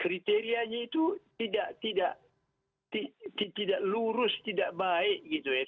kriterianya itu tidak lurus tidak baik gitu ya